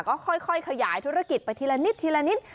ก็ค่อยขยายธุรกิจไปทีละนิด